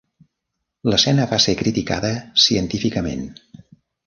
L'escena va ser criticada científicament.